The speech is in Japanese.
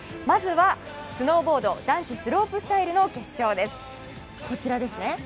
まずはスノーボード男子スロープスタイルの決勝です。